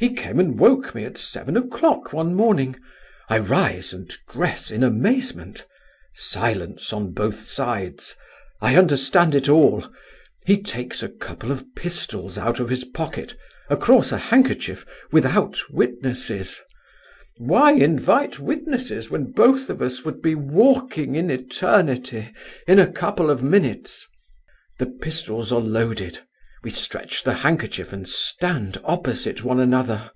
He came and woke me at seven o'clock one morning. I rise and dress in amazement; silence on both sides. I understand it all. He takes a couple of pistols out of his pocket—across a handkerchief—without witnesses. Why invite witnesses when both of us would be walking in eternity in a couple of minutes? The pistols are loaded; we stretch the handkerchief and stand opposite one another.